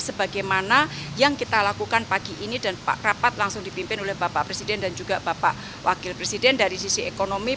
sebagaimana yang kita lakukan pagi ini dan rapat langsung dipimpin oleh bapak presiden dan juga bapak wakil presiden dari sisi ekonomi